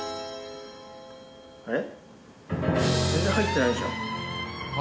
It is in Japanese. あれ？